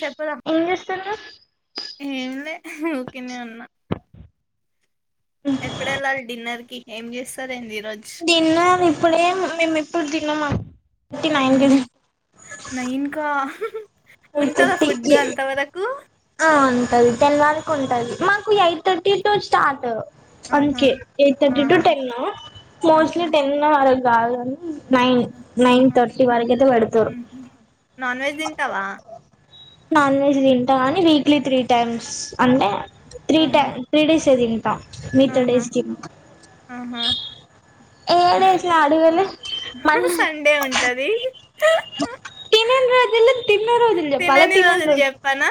చెప్పద [unintelligible] ఏం లే ఓకనే ఉన్నా ఎప్పుడూ ఇల్లాలి డిన్నర్ ఏం చేస్తారంది తిన్నా ఇప్పుడే మేము ఇప్పుడు తిన్నం థర్టీ నైన్కి నైన్ కా అయితే ఉంటదా ఫుడ్ టి అంత వరకు ఆ ఉంటంది టెన్ వరకు ఉంటుది మాకు ఎయిట్ థర్టీ టు స్టార్ట్ ఆహా అంకే వైట్ థర్టీ టు ఆహా టెన్ ఆహా మోస్ట్లీ టెన్ అర గాని నైన్ నైన్ ఆ, తర్టీ వరకతే పడుకోరు మ్మ్. నాన్ వెజ్ తింటావా నాన్ వెజ్ తింటా కాని వీక్లీ త్రీ టైమ్స్ అంటే త్రీ ట ఆహా త్రీ డేస్ అద మీత ఆహా తడేస్ ఆహా ఏదస అడివళ మ సండే ఉంటది తనింద అజల తినని రోజులు చెప్పనా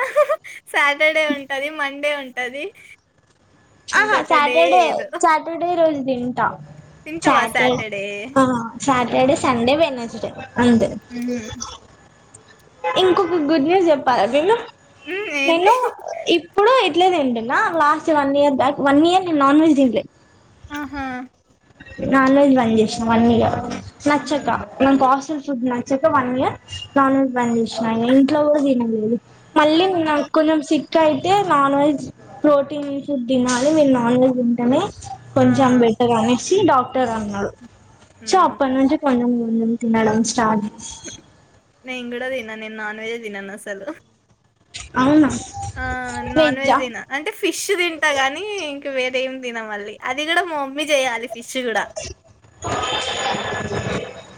సాటర్డే ఉంటది మండే ఉంటది ఆహా ఇంకొక డే సాటర్డే ఏదో సాటర్డే రోజు తింటా సాటర్డే సాటర్డే ఆహా సండే వెడ్నెస్డే అంతే మ్మ్. ఇంకొక గుడ్ న్యూస్ చెప్పాలా నేను మ్మ్, ఏంది నేను ఇప్పుడు ఇట్లేదిండునా last one year back one year నేను నాన్ వెజ్ దిన్లే ఆహా నాన్ వెజ్ బంద్ జేసిన వన్ ఇయరు ఆహా నచ్చక నం కాసలు ఫుడ్ నచ్చక వన్ ఇయర్ నాన్ వెజ్ బంద్ చేసినా ఇంట్లో గూడా తిన్లేదు మళ్ళీ ఆహా! నాక్కొంచం సి కయితే నాన్ వెజ్ ప్రోటీన్ ఫుడ్ దినాలి మీరు నాన్ వెజ్ తింటమే ఆ కొంచం బెటరనే చి డాక్టర్ హ్మ్ అన్నాడు చ హ్మ్ ప్పన్నుంచి వనం మనం తినడం స్టార్ట్ నెన్గూడ నేను నాన్ వెజ్ దినను అసలు అవునా ఆ నాన్ వెజ్ వెజ్జా దినా అంటే ఫిష్ తింటా గాని వేరే ఏం దినా మళ్ళీ అది గూడా మా మమ్మీ జేయాలి పిష్ గూడా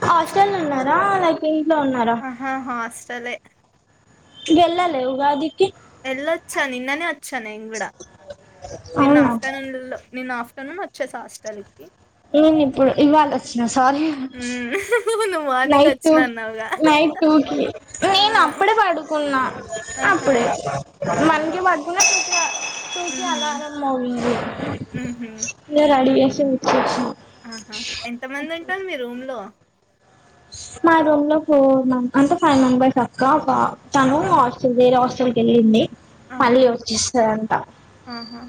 హాస్టల్ ఉన్నారా లైక్ ఉన్నారా ఆహా హాస్టలే గెళ్లలే ఉగాదికి ఎళ్ళొచ్చా నిన్ననే చ్చ నేగ్గూడా నిన్న అవునా ఆఫ్టర్నూన్ లో నేను ఆఫ్టర్నూన్ వచ్చేస హాస్టల్కి నేను ఇప్పుడు ఇవాళ వచ్చినా సారీ హ్మ్ నువ్వు మార్నింగ్ నైట్ టు వచ్చిన అన్నావుగా నైట్ టూకి ఆ ఆహా అప్పుడే ఆ మనకి మ [unintelligible] టూకి హుహు అలారం మోగింది హుహు ఇంగ రడీ [inaudible] ఆహా ఎంత మంది ఉంటారు మీ రూమ్ లో మా రూమ్ లో ఫోర్ మెం అంటే ఫైవ్ మెంబెర్స్ అక్క ఒక తను [unintelligible] వేరే హాస్ గళ్లిన్ని మళ్ళీ ఆహా వచ్చిస్తుందింటాం ఆహా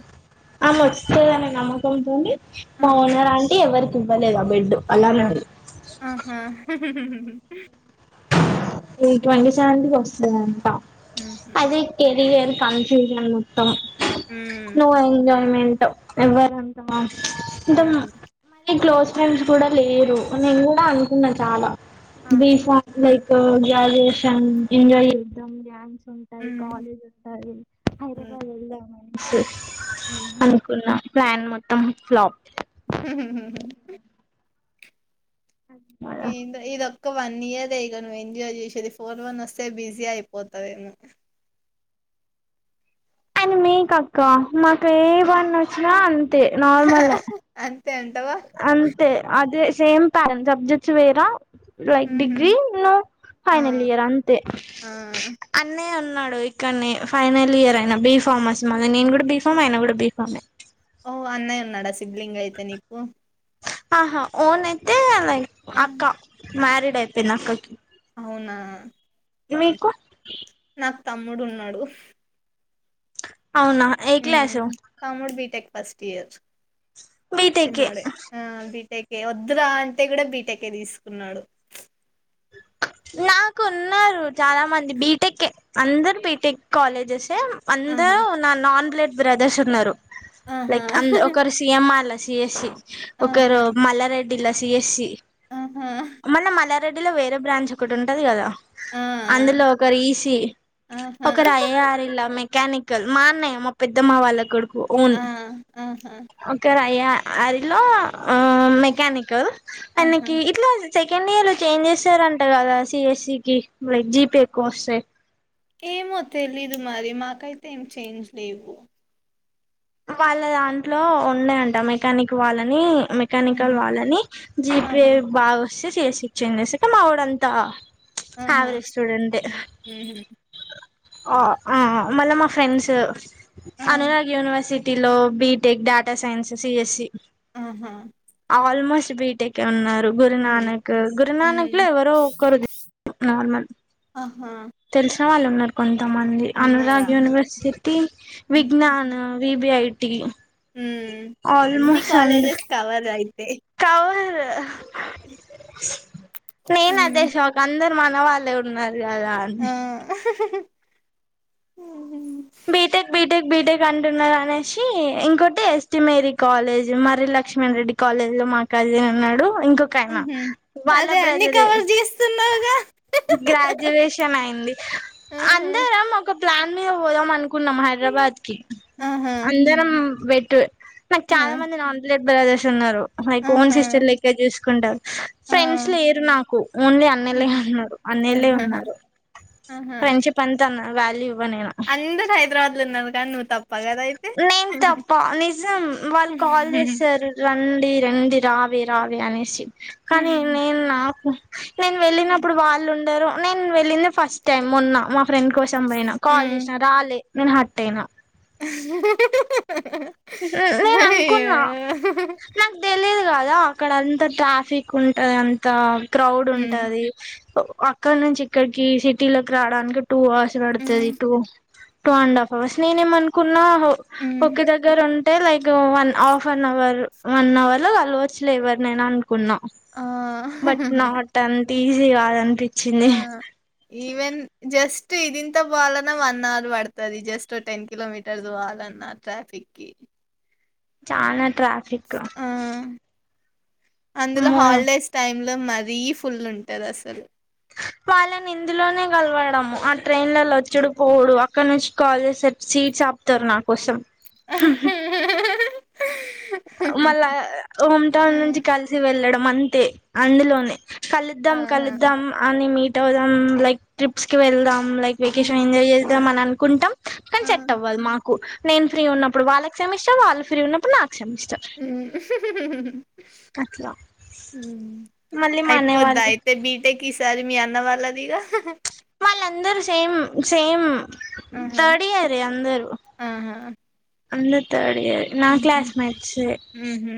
ఆ వచ్చస్తదానే నమ్మకంతోంది ఆ మావున అంటీ ఎవరికి తు పనే ఇదా బెడ్ అలా నంది ఆహా ట్వంటీ సె వస్త హ్మ్ అదేకరియ కాని చేను హ్మ్ నో ఎంజాయ్మెంట్ ఎవ్వరుంటాం ఎద మ హ్మ్ క్లోస్ ఫ్రెండ్స్ కూడా లేరు నేను కూడా అనుకున్నాను చాలా ఆహా బేఫా గ్రాజ్యుయేషన్ ఎంజాయ్ చేద్దాం డ్యాన్స్ ఉంటాయి హ్మ్ కాలేజ్ ఉంటాయి హ్మ్ హైదరాబాద్ వెళ్దామని స హ్మ్ అనుకున్నా ప్లాన్ మొత్తం ఫ్లోప్ ఇంద ఇద ఒక వన్ ఇయర్ అయిగను ఎంజాయ్ చేసేది ఫోర్ వన్ వస్తే బిజీ అయిపోతావేను అని మీకక్క మాకు ఏవన్న వచ్చినా తే నార్మల్ అంతే అంటవా అంతే అదే సేమ్ పెంట్ సబ్జెక్ట్స్ వేరా లైక్ ఉహు డిగ్రీ ను ఆ ఫైనల్ ఇయర్ అంతే ఆ అన్నే న్నాడు ఇక్కడన్ని ఫైనల్ ఇయర్ అయిన బీ ఫామ్ అస్మా నేను కూడా బీ ఫామ్ అయిన కూడా బీ ఫామ్ ఓ అన్నయ్య ఉన్నాడా సిబ్లింగ్ అయితే నీకు ఆహా ఓన్ ఎతేలాగే ఆ అక్క మ్యారీడ్ అయిపోయింది అక్కకి అవునా మీకు నాకు తమ్ముడు ఉన్నాడు అవునా ఏ హ క్లాసు తముోడు బిటెక్ ఫస్ట్ ఇయర్ బీటెక్ చిన్నోడ బిటెక్ వద్దురా అంటే కూడా బీటెకే తీసుకున్నాడు నాకు ఉన్నారు చాలా మంది బీటెక్ కె అందరు బీటెక్ కాలేజెస్ ఆహా అందరు నా నాన్ బ్లేట్ బ్రదర్స్ ఉన్నరు ఆహా! లైక్ అంద్ ఒకరు సిఎమ్అర్ లోచ్ ఏసి ఆహా! ఒకరు మల్లారెడ్డి దిల్లా సిఏసి ఆహా! మల్ల మల్లా రెడ్డి ల వేరే బ్రాంచ్ ఒకటి ఉంటది కదా ఆ! ఆ! అందులో ఒకరు ఈ సి ఆహా! ఒకరు అయ ఆరిల్లా మ మెకానికల్ మాన్నయ్య మా పెద్దమ్మ వాళ్ళ కొడుకు ఉన్ ఆ! ఆహా! ఒక రా ఏయ అరిలో ఆ మెకానికల్ ఆహా! అయనకి ఇట్లా సెకండ్ ఇయర్ చేంజ్ చేసారంట కదా సిఎస్సి కి లైక్ జీపీ ఎక్కువ వస్తే ఏమో తెలీదు మరి మాకైతే ఏం చేంజ్ లెవ్వు వాళ్ళ దాంట్లో ఉన్నాయంట మెకానిక్ వాళ్ళని మెకానికల్ హ్మ్. వాళ్ళని జీపే ఆహా! బా [unintelligible] మాఓడంత ఆహా! అవరేజ్ స్టూడెంట్ టే హుహు. ఆ ఆ మళ్ళ మా ఫ్రెండ్స్ ఆ! అనురాగ్ యూనివర్స్ సిటీలో BTech data science C S C ఉహు ఆల్మోస్ట్ బీటెక్ కే ఉన్నారు గురు నానక్ గురునానక్ లో హ్మ్. ఎవరో ఒకరు నార్మల్ ఆహా! తెలుసు వున్న వాళ్ళు వన్నారు కొన్ కొంతమంది ఉన్నదా? అనురాగ్ యూనివర్సిటీ విజ్ఞాన్ సిబిఐటి లో హు అన్ని కాలేజెస్ కవర్ అయి ఏ ఆ నేన్ హ్మ్. అదే షాక్ అందర్ మన వాళ్ళే ఉన్నారు అదాండి ఆ! హుహు. బీటెక్ బీ టెక్ బీటెక్ అంటున్నారు అనేసి ఇంకోటి ST Mary college Marri Laxman Reddy college లో మా కజిన్ ఉన్నాడు. ఇంకొకాయన హుహు. వాళ్ళ అదే అన్నీ బ్రదరే కవర్ జేస్తున్నావుగా. గ్రాడ్యుయేషన్ అయింది ఆహా! అందరం ఒక [unintelligible] పోదా మని కున్నాం హైదరాబాద్ కి ఆహా అందరం వెట్ నాకు ఆ చాలా మంది [unintelligible] బ్రదర్స్ ఉన్నారు ఓన్ ఆహా సిస్టర్ లెక్క చూస్ కుండ ఆ ఫ్రెండ్స్ లేరు నాకు ఓన్లీ అన్నలే ఆహా ఉన్నారు ఆహాహా! అన్నయ్యలేఉన్నారు ఫ్రెండ్ షిప్ అంతేనా వాల్యూ ఇవ్వ అందరూ హైదరాబాద్ లో ఉన్నరు కానీ తప్ప కదా అయితే నేం తప్ప నిజం వాళ్ళు కాల్ చేసారు రండి రండి రావే రావే అనేసి కానీ నేను నాకు నేను వెళ్ళినప్పుడు వాళ్ళు ఉండరు నేను వెళ్ళింది ఫస్ట్ టైమ్ మొన్న మ ఫ్రెండ్ కోసం పోయిన కాల్ హ్మ్ జెసిన రాలే నేను హర్టయినా నేన్ అయ్యో అనుకున్నా నాక్ తెలీద్ కదా అక్కడ అంతా ట్రాఫిక్ ఉంటంది అంతా క్రౌడ్ హ్మ్ ఉంటది అక్కడ నుంచి ఇక్కడికి సిటీ లోకి రావడానికి టూ అవర్స్ పడుతది హ్మ్ two two and half hours నేనే మ్ అనుకున్నా ఆ హ్మ్ ఒకె జాజ్ ఉంటే like one half an hour one hour లో కలవచ్చులే ఎవ్వర్నైనా అని కున్నా ఆ బట్ నాట్ ఆన్ టీజీ కాదన్పి ఆ ఈవెన్ జస్ తి ఇది ఇంత పోవాలన్నా వన్ అవర్ పడ్తది జస్ట్ టెన్ కిలోమీటర్స్ పోవాలన్నా ట్రాఫిక్ కి చానా ట్రాఫిక్ ఆ అందులో అమ్మో హాలిడేస్ టైమ్ లో మరీ ఫుల్ ఉంటది అసల్ వాళ్ళని ఇందులోనే కలవడము ఆ ట్రైన్లలో వచ్చడుపోవుడు అక్కడ నుంచి కాల్ చేసే సీట్స్ ఆపుతారు నా కోసం మళ్ళ హోమ్ టౌన్ నుంచి హ్మ్ కలిసి వెళ్ళడం మంతే అందులోనే కలుద్దాం ఆహా! కలుద్దాం అని మీ ట్ దాం లైక్ ట్రిప్స్ కి వెళ్దాం లైక్ వెకేషన్ హ్మ్. ఎంజాయ్ జేదం మన కుంటం కానీ ఆ! చెట్ అవ్వాలి మాకు నేను ఫ్రీ ఉన్నప్పుడు వాళ్ళక్ సెమిస్టర్ వాల్ ఫ్రై హ్మ్. అట్లా హ్మ్. మళ్ళీ మానేవాళ్ళు అంటేకిసారి మీ అనా వాళ్ దగా వాళ్ళందరు సేమ సేమ్ ఆహా! తడియరే అందరు ఆహా! అందర్ నా హుహు. క్లాస్మట్స్ హుహు.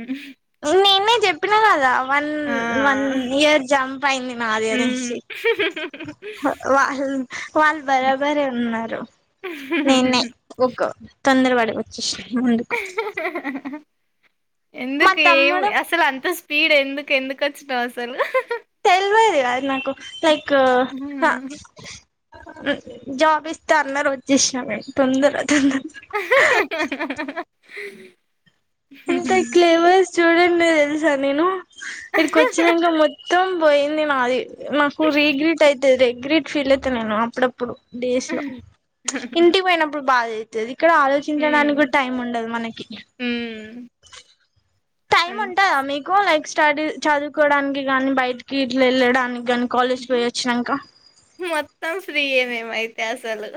ఏ చెప్పినా కదా వన్ ఆ! వన్ ఇయర్ జంప్ అయింది నాదేద హ్మ్. వా వాళ్ళు బరాబరే ఉన్నారు నేనే ఒ తొందరపడకు స మా ఎందుకు ఏమి తమ్ముడు అసలు అంత స్పీడ్ ఎందుకు ఎందుకు వచ్చినావు అసలు తెల్వేదిల అఐ నాకు నాక్ జాబ్ ఇస్తే అందరు వచ్చేస్తాం మేం తొందర తొందర అ ఇంత క్లేవర్స్ చూడండి మీరు తెదు సార్ నేను ఇక్కడికి వచ్చినా ఇంకా మ మొత్తం పోయింది నాది నాకు రీగ్రెట్ అయితే రిగ్రెట్ ఫీల్ అయితే నేను అప్పుడ ఇప్పుడు డేస్ లో ఇంటికి పోయినప్పుడు బాధ తెవి ఇక్కడ ఆలోచించడానికి హ్మ్ కూడా టైం ఉండదు మనకి హ్మ్ టైమ్ అన్ ఉంటందా మీకు లైక్ స్టడీ చదువుకోవడానికి గానీ బయటికి ఇట్లా వెళ్ళడానికి కానీ కాలేజ్కి పోయి వచ్చినాక ఇతిసాలు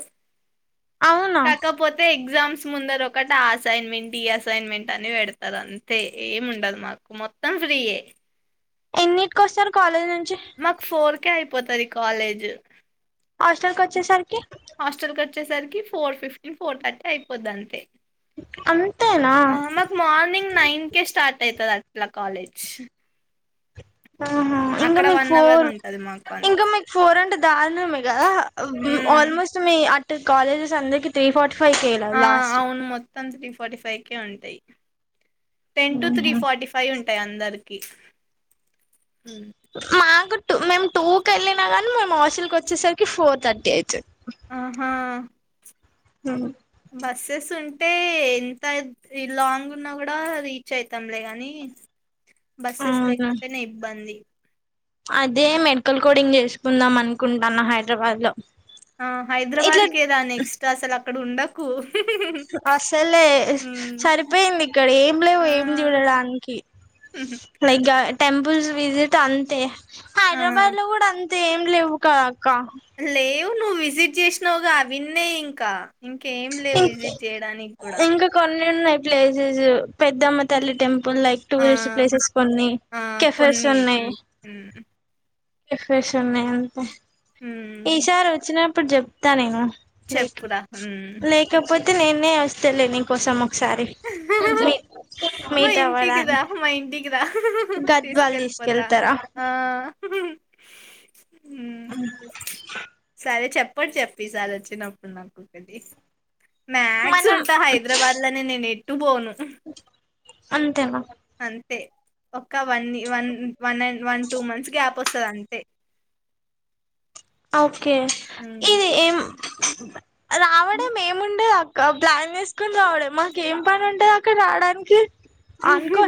కాకపోతే ఎగ్జామ్ ముందర ఒకటి ఆ అసైన్మెంట్ అసైన్మెంట్ అని పెడతారు అంతే ఏం ఉండదు మాకు మొత్తం ఫ్రీయ ఎన్నింటిక వస్తారు కాలేజ్ నుంచి మాకు ఫోర్ కేే అయిపోతారు కాలేజ్ హాస్టల్ కి వచ్చేసరికి హాస్టల్ కచ్చేసరికి ఫోర్ ఫిఫ్టీ ఇ ఫోటో అతే అయిపోద్ అంతే అంతేనా మార్నింగ్ నైన్ కే స్టార్ట్ అవుతుంది అట్లా కాలేజ్ ఆహ ఇంకా అక్కడ మీకు వన్ అవర్ ఫోర్ ఉంటది మాకు ఇంకా అంతే మీకు ఫోర్ అంటే దారునా మగా హ్మ్ ఆల్మోస్ట్ త కాలజస్ అందకి త్రీ ఫార్టీ ఫైకయలా లాస్ట్ తం త్రీ ఫార్టీ ఫైవ్ కే ఉంటాయి టెన్ టటు త్రీ ఊహు, ఫార్టీ ఫవ్ ఉంట అందరికి హ్మ్ మా గ మేము టూ క వెళ్ళినా గానీ మేము ఆఫీల్కి వచ్చేసరికి ఫోర్ థర్టీ అవుతు ఆహా హ బస్సెస్ ఉంటే ఎంత లాంగ్ ఉన్నా కూడా రీచ్ అయితాంలే గానీ బస్సెస్ అవునా లేకపోతేనే ఇబ్బంది అదే మెడికల్ కోడింగ్ చేసుకుందాం అనుకుంటాను హైదరాబాద్ లో ఆ హైదరాబాద్ ఇట్లా కెదా నెక్స్ట్ అసల అక్కడ ఉండకు అసలే ఉమ్. సరిపోయింది ఇక్కడ ఏం లేవు ఆ ఏం చూడడానికి లైక్ టెంపుల్స్ విజిట్ అంతే ఆ హైదరాబాద్ లో కూడా అంత అయితే ఏం లేవుక కుక్క లేవు నువ్వు విజిట్ చేసినావుగా అవన్నే ఇంకా ఇంక ఏం లేవు విజిట్ చేయడానికి గూడా ఇంకా కొన్ని ఉన్నాయి ప్లేసెస్ పెద్దమ్మ తల్లి టెంపుల్ ఇప్పుడు లైక్ ఆ టూరిస్ట్ ప్లేసెస్ కొన్ని ఆ కెఫేస్ కొన్ని ఉన్నాయి ఫ్రెష్ ఉన్నాయి అంతే ఈషారు వచ్చిన ఇప్పుడు చెప్తా నేను చెప్పురా మ్ లేకపోత్ నేనే వస్తాలే నీకోసం సరే మా ఇంటికిదా మా ఇంటికిదా గద్వాల్ తీసుకెళ్తారా మ్.. హు. హుమ్ అ అప్పుడు చెప్పు ఈ సారి వచ్చినప్పుడు నాకు ఒకటి మ్యాగ్స్ మనం ఉంటా హైదరాబాద్ లోనే నేను ఎట్టు పోను అంతేనా అంటే ఒ one one one and one two months gap వస్తుంది అంతే ఓకే హ్మ్. ఇది ఏం హె రావడ మేముండ ఒకప్లాన్ వేసుకొని రావడం మాకు ఏం పని ఉంటది అక్కడ రావడానికి అనుకో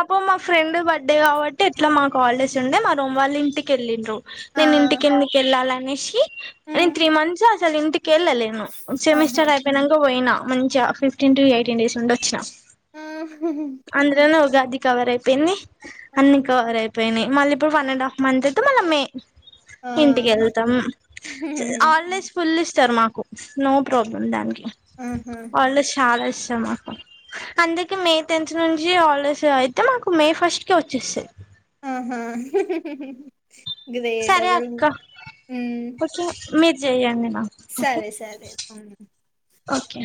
అప్పు మా ఫ్రెండ్ బర్త్డే కాబట్టి ఎట్లా మా కా హాలిడేస్ ఉండే మా రూమ్ వాళ్ళ ఇంటికి వెళ్ళండ్రు ఆ నేను ఇంటికి ఎల్లీ తాళం వేషి హ్మ్. త్రీ మంత్స్ అసలు ఇంటికి కెళ్ళలేేను ఆహా సెమిస్టర్ అయిపోయినాక పోయినా మంచి ఫిఫ్టీన్ టు ఎయిటీన్ డేస్ ఉండి వచ్చినా ఆ అంద్ర నఉగాది కవర్ అయిపేంది అన్నికవరే పోయినాయి మళ్ళీ ఇప్పుడు వన్ అండ్ హాఫ్ మంత్ అయితే మళ్ళ మే ఇంటికి ఆ. వెళ్తాం ఆన్లైన్ ఫుల్ స్ట్ ఇస్తారు మాకు నో ప్రాబ్లమ్ దానికి ఆహా వాళ్ళ చాల మాకు అందుకే మే టెన్త్ నుంచి హాలీడేస్ అయితే మాకు మే ఫస్ట్ కి వచ్చేస్తంది ఆహా గ్రేట్ సరే అసలు అక్క హమ్ ఓకే మీరు చేయండి సరే సరే ఓకే